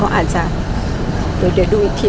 ภาษาสนิทยาลัยสุดท้าย